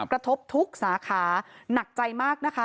กระทบทุกสาขาหนักใจมากนะคะ